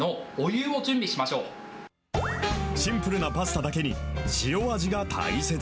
シンプルなパスタだけに、塩味が大切。